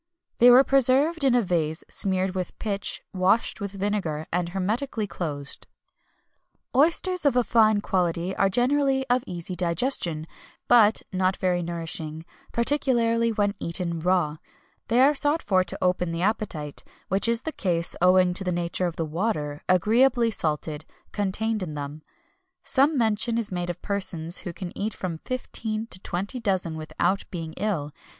[XXI 241] They were preserved in a vase smeared with pitch, washed with vinegar, and hermetically closed.[XXI 242] "Oysters of a fine quality are generally of easy digestion, but not very nourishing, particularly when eaten raw. They are sought for to open the appetite, which is the case, owing to the nature of the water, agreeably salted, contained in them. Some mention is made of persons who can eat from fifteen to twenty dozen without being ill.